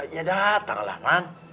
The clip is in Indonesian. ya datang lah man